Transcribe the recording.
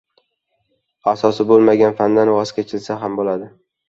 Asosi bo‘lmagan fandan voz kechilsa ham bo‘ladi.